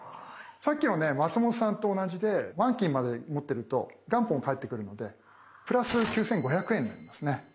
さっきの松本さんと同じで満期まで持ってると元本返ってくるので＋９，５００円になりますね。